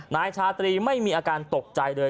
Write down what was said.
นายชาตรีไม่มีอาการตกใจเลย